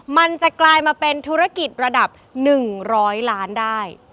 มันจะกลายมาเป็นธุรกิจระดับ๑๐๐ล้านได้